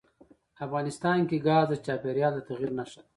افغانستان کې ګاز د چاپېریال د تغیر نښه ده.